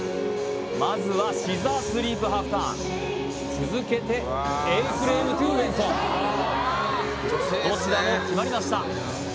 まずはシザースリープ１／２ターン続けてＡフレームｔｏウェンソンどちらも決まりました